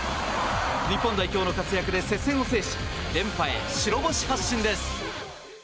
日本代表の活躍で接戦を制し連覇へ白星発進です。